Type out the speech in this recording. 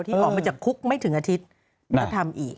ออกมาจากคุกไม่ถึงอาทิตย์แล้วทำอีก